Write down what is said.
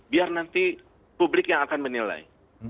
biar nanti publik yang akan menilai